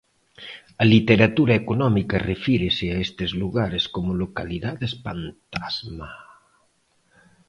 A literatura económica refírese a estes lugares como 'localidades pantasma'.